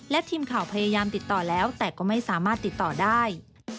และทีมข่าวพยายามติดต่อแล้วแต่ก็ไม่สามารถติดต่อได้